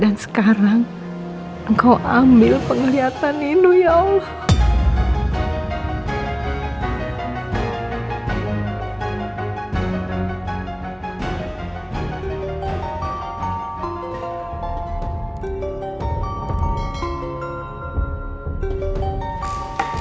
dan sekarang engkau ambil penglihatan nino ya allah